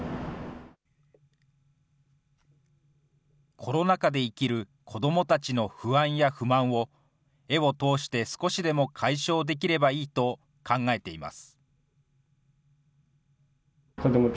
コロナ禍で生きる子どもたちの不安や不満を、絵を通して少しでも解消できればいいと考えています。